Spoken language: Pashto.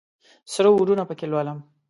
سره اورونه پکښې لولم